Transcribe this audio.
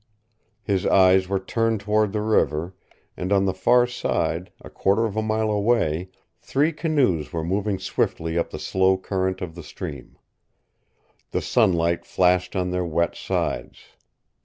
His eyes were turned toward the river, and on the far side, a quarter of a mile away, three canoes were moving swiftly up the slow current of the stream. The sunlight flashed on their wet sides.